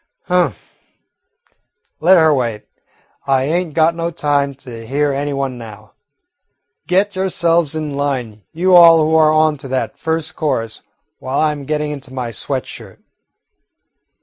"Humph. Let her wait. I ain't got no time to hear any one now. Get yourselves in line, you all who are on to that first chorus, while I 'm getting into my sweat shirt."